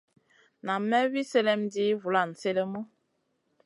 Nan may wi sèlèm ɗi vulan sélèmu.